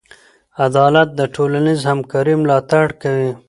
عدالت د ټولنیز همکارۍ ملاتړ کوي.